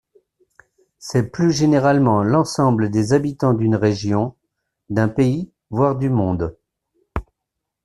C'est plus généralement l'ensemble des habitants d'une région, d'un pays, voire du monde.